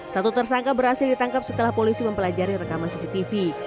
satu tersangka berhasil ditangkap setelah polisi mempelajari rekaman cctv